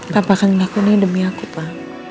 bapak kan ngakuinnya demi aku pak